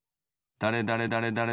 だれだれだれだれ